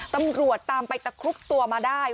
ตำรวจตามไปตะครุบตัวมาได้